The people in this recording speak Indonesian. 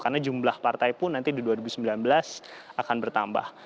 karena jumlah partai pun nanti di dua ribu sembilan belas akan bertambah